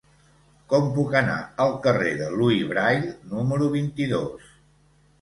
Com puc anar al carrer de Louis Braille número vint-i-dos?